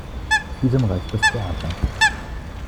Diesem reicht das Theater.